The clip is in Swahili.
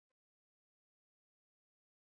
ngo amesema kuwa ocampo amemwalifu kuwa waliotajwa